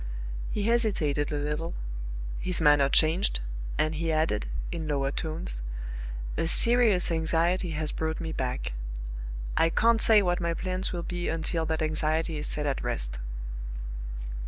He hesitated a little; his manner changed, and he added, in lower tones: "A serious anxiety has brought me back. I can't say what my plans will be until that anxiety is set at rest."